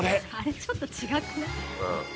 ちょっと違くない？